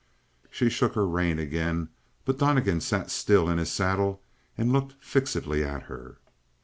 She shook her rein again, but Donnegan sat still in his saddle and looked fixedly at her.